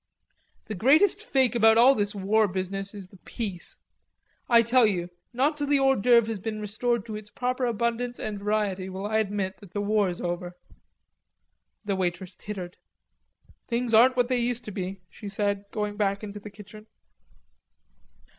"The greatest fake about all this war business is the peace. I tell you, not till the hors d'oeuvre has been restored to its proper abundance and variety will I admit that the war's over." The waitress tittered. "Things aren't what they used to be," she said, going back to the kitchen.